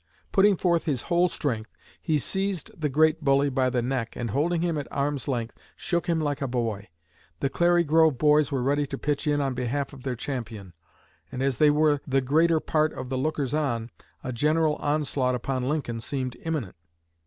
Putting forth his whole strength, he seized the great bully by the neck and holding him at arm's length shook him like a boy. The Clary Grove Boys were ready to pitch in on behalf of their champion; and as they were the greater part of the lookers on, a general onslaught upon Lincoln seemed imminent.